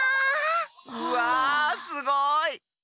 うわすごい！